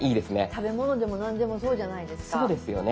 食べ物でも何でもそうじゃないですか。